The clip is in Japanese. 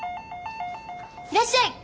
いらっしゃい！